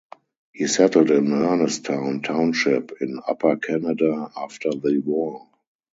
He settled in Ernestown Township in Upper Canada after the war.